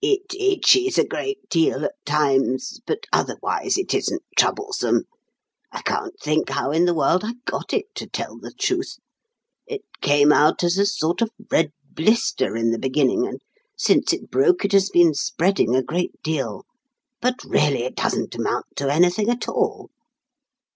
"It itches a great deal at times, but otherwise it isn't troublesome. I can't think how in the world I got it, to tell the truth. It came out as a sort of red blister in the beginning, and since it broke it has been spreading a great deal. But, really, it doesn't amount to anything at all."